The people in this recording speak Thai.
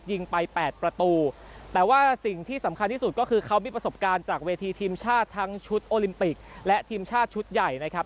ยิงไปแปดประตูแต่ว่าสิ่งที่สำคัญที่สุดก็คือเขามีประสบการณ์จากเวทีทีมชาติทั้งชุดโอลิมปิกและทีมชาติชุดใหญ่นะครับ